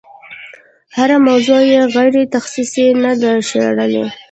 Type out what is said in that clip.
هره موضوع یې غیر تخصصي نه ده شاربلې.